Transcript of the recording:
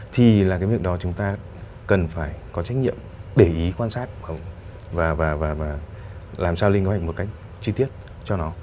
thì là cái việc đó chúng ta cần phải có trách nhiệm để ý quan sát và làm sao lên kế hoạch một cách chi tiết cho nó